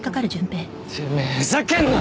てめえふざけんな！